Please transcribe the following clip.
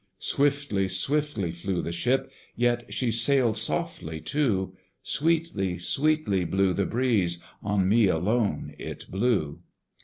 Swiftly, swiftly flew the ship, Yet she sailed softly too: Sweetly, sweetly blew the breeze On me alone it blew.